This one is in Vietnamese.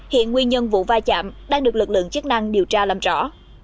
hiện nguyên nhân vụ vai chạm đang được lực lượng chức năng điều tra làm rõ